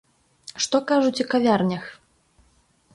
Што кажуць у кавярнях?